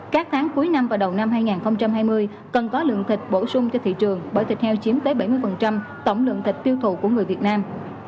các tháng cuối năm và đầu năm hai nghìn hai mươi cần có lượng thịt bổ sung cho thị trường bởi thịt heo chiếm tới bảy mươi tổng lượng thịt tiêu thụ của người việt nam